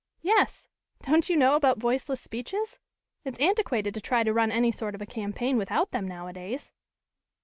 "Yes. Don't you know about voiceless speeches? It's antiquated to try to run any sort of a campaign without them nowadays."